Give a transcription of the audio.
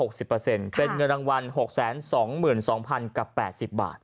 ก็ถือว่าถูกเหมือนกัน